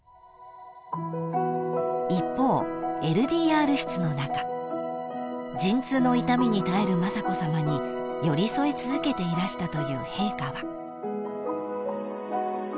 ［一方ＬＤＲ室の中陣痛の痛みに耐える雅子さまに寄り添い続けていらしたという陛下は］